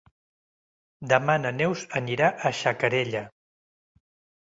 Demà na Neus anirà a Xacarella.